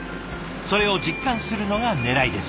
それを実感するのがねらいです。